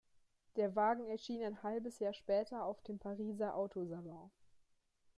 Der Wagen erschien ein halbes Jahr später auf dem Pariser Autosalon.